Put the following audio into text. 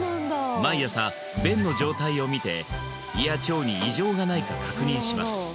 毎朝便の状態を見て胃や腸に異常がないか確認します